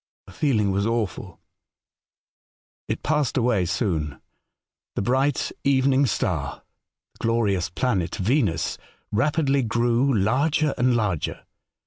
The feeling was awful !" It passed away soon. The bright evening star — the glorious planet Venus — rapidly grew larger and larger.